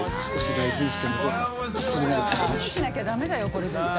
大事にしなきゃダメだよこれ絶対。